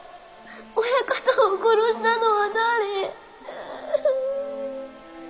親方を殺したのは誰？